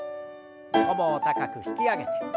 ももを高く引き上げて。